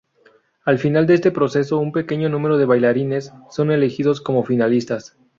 Al final de este proceso, un pequeño número de bailarines son elegidos como finalistas.